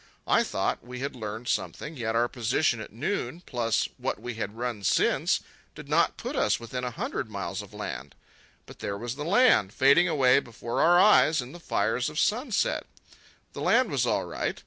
I thought we had learned something, yet our position at noon, plus what we had run since, did not put us within a hundred miles of land. But there was the land, fading away before our eyes in the fires of sunset. The land was all right.